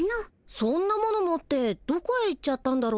そんなもの持ってどこへ行っちゃったんだろ？